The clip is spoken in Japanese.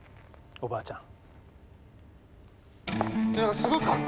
おばあちゃん？